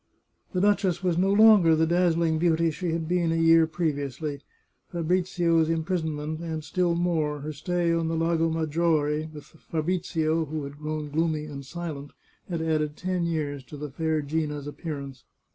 The duchess was no longer the dazzling beauty she had been a year previously. Fabrizio's impris onment, and still more, her stay on the Lago Maggiore with the Fabrizio who had grown gloomy and silent, had added ten years to the fair Gina's appearance.